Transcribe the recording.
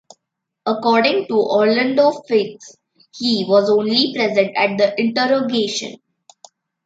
According to Orlando Figes he was only present at the interrogation.